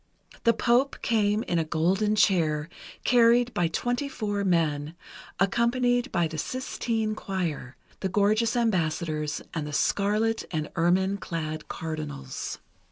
The Pope came in a golden chair, carried by twenty four men, accompanied by the Sistine Choir, the gorgeous ambassadors, and the scarlet and ermine clad cardinals.